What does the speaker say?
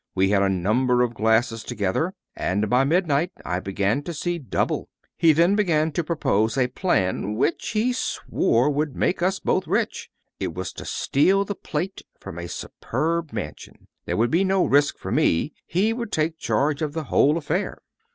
We had a number of glasses together, and by midnight I began to see double. He then began to propose a plan, which, he swore, would make us both rich. It was to steal the plate from a superb mansion. There would be no risk for me; he would take charge of the whole affair.